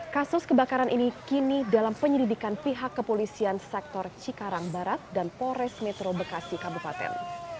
kasus kebakaran ini kini dalam penyelidikan pihak kepolisian sektor cikarang barat dan pores metro bekasi kabupaten